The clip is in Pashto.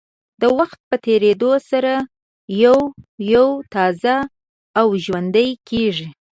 د وخت په تېرېدو سره یو یو تازه او ژوندۍ کېږي.